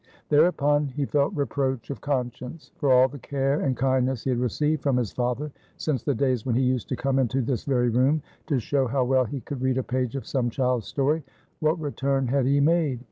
Thereupon he felt reproach of conscience. For all the care and kindness he had received from his father, since the days when he used to come into this very room to show how well he could read a page of some child's story, what return had he made?